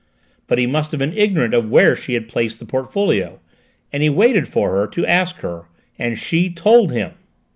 But he must have been ignorant of where she had placed the portfolio; and he waited for her to ask her and she told him!"